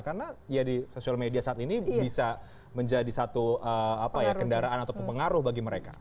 karena ya di social media saat ini bisa menjadi satu kendaraan ataupun pengaruh bagi mereka